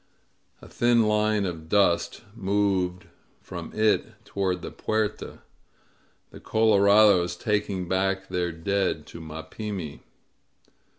A thin line of dust moved from it toward the Puerta — the colorados taking back their dead to Mapimi.